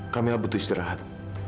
camilla butuh istirahat